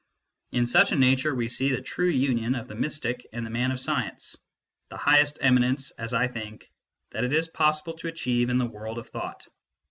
In such a nature we see the true union of the mystic and the man of science the highest eminence, as I think, that it is possible to achieve in the world of thought.